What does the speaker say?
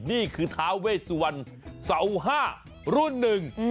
นี่คือทาเวสวรรษาวห้ารุ่นหนึ่ง